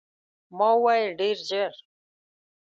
ما وویل، ډېر ژر.